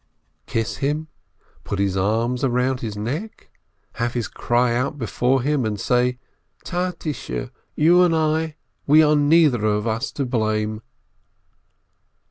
Kiss him? Put his arms round his neck? Have his cry out before him and say, "Tatishe, you and I, we are neither of us to blame!"